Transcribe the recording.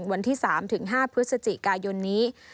วันที่๓ถึง๕พฤศจิกายนนี้